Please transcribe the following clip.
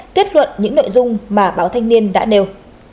kết luận những nội dung mà báo thanh niên đã nêu